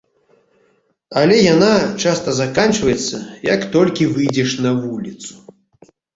Але яна часта заканчваецца, як толькі выйдзеш на вуліцу.